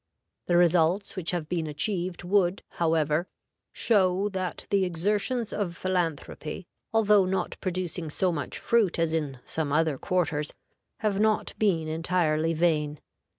The results which have been achieved would, however, show that the exertions of philanthropy, although not producing so much fruit as in some other quarters, have not been entirely vain.